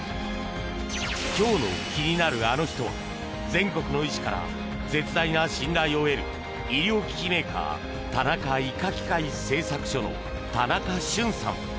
今日の気になるアノ人は全国の医師から絶大な信頼を得る医療機器メーカー田中医科器械製作所の田中駿さん。